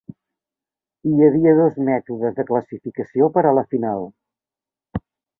Hi havia dos mètodes de classificació per a la final.